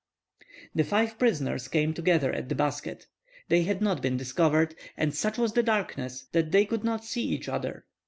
The five prisoners came together at the basket. They had not been discovered, and such was the darkness that they could not see each other.